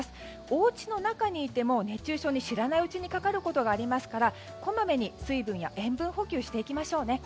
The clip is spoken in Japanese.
おうちの中にいても熱中症に、知らないうちにかかることがありますからこまめに水分や塩分補給していきましょうね。